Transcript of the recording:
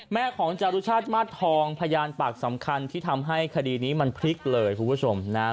แม่ของจารุชาติมาสทองพยานปากสำคัญที่ทำให้คดีนี้มันพลิกเลยคุณผู้ชมนะฮะ